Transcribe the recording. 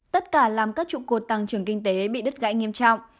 tất cả làm các trụ cột tăng trưởng kinh tế bị đứt gãy nghiêm trọng